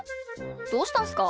どうしたんすか？